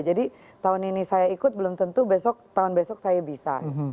jadi tahun ini saya ikut belum tentu tahun besok saya bisa